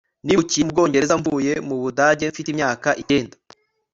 Nimukiye mu Bwongereza mvuye mu Budage mfite imyaka icyenda